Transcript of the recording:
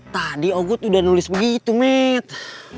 tadi oh good udah nulis begitu mitt